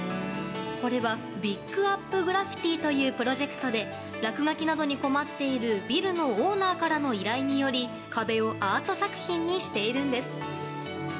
これは、ＢｉｇｕｐＧｒａｆｆｉｔｉというプロジェクトで落書きなどに困っているビルのオーナーからの依頼により壁をアート作品にしているんです。